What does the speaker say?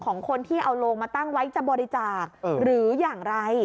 ของคนที่เอาโลงมาตั้งไว้จะบริจาคหรืออย่างไร